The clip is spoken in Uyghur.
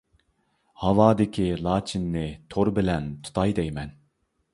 ھاۋادىكى لاچىننى، تور بىلەن تۇتاي دەيمەن.